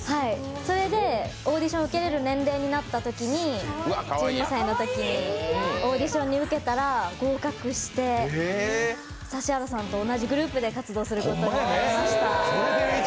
それでオーディションを受けられる年齢になったとき、１２歳のときにオーディションを受けたら合格して、指原さんと同じグループで活動することになりました。